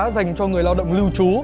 dành cho người lao động lưu trú